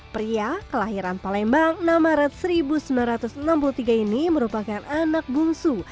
pria kelahiran palembang enam maret seribu sembilan ratus enam puluh tiga ini merupakan anak bungsu